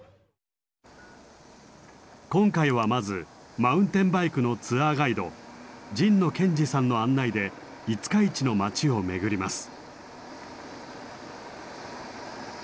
今回はまずマウンテンバイクのツアーガイド神野賢二さんの案内で五日市の街を巡ります。